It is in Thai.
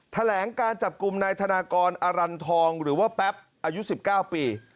แถลงการจับกลุ่มนายธนากรอรันทองหรือว่าแป๊บอายุ๑๙ปี